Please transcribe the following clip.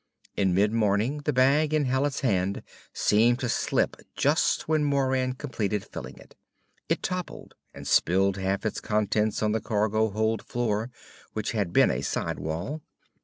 In mid morning the bag in Hallet's hand seemed to slip just when Moran completed filling it. It toppled and spilled half its contents on the cargo hold floor, which had been a sidewall.